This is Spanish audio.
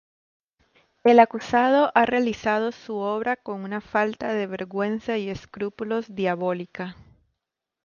El acusado ha realizado su obra con una falta de vergüenza y escrúpulos diabólica.